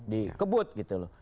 dikebut gitu loh